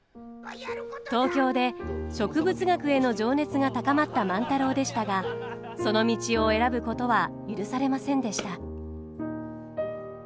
東京で植物学への情熱が高まった万太郎でしたがその道を選ぶことは許されませんでした。